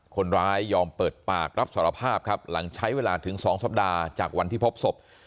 คนร้ายยอมเปิดปากรับสารภาพครับหลังใช้เวลาถึง๒สัปดาห์จากวันที่พบศพ